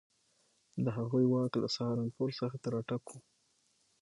د هغوی واک له سهارنپور څخه تر اټک وو.